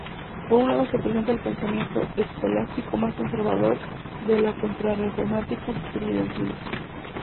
Por un lado se presenta el pensamiento escolástico más conservador, de la contrarreforma tridentina.